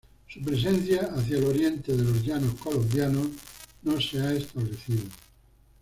Su presencia hacia el oriente de los llanos colombianos no se ha establecido.